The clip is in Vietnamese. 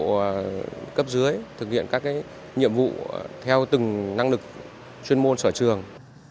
và cấp dưới thực hiện các nhiệm vụ theo từng năng lực chuyên môn sở trường